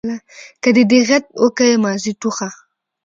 که دي دېغت وکئ ماضي ټوخه.